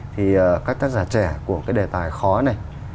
thì các tác giả trẻ của cái đề tài khó này